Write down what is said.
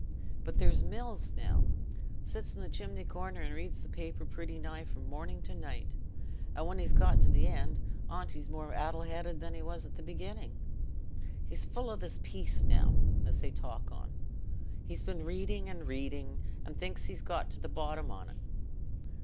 But there's Mills, now, sits i' the chimney corner and reads the paper pretty nigh from morning to night, and when he's got to th' end on't he's more addle headed than he was at the beginning. He's full o' this peace now, as they talk on; he's been reading and reading, and thinks he's got to the bottom on't.